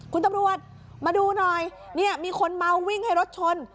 คุณตำรวจมาดูหน่อยเนี่ยมีคนเมาวิ่งให้รถชน